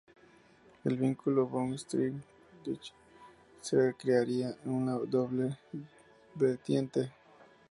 El vínculo von Sternberg-Dietrich se crearía en una doble vertiente.